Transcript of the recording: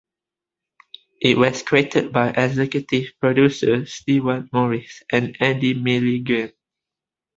It was created by Executive Producer Stewart Morris and Andy Milligan.